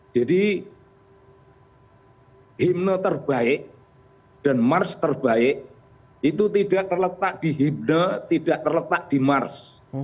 jadi himne terbaik dan mars terbaik itu tidak terletak di himne tidak terletak di mars